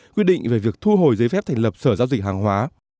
quy định về việc thu hồi giấy phép thành lập sở giao dịch hàng hóa